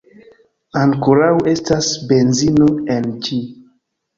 Ankoraŭ estas benzino en ĝi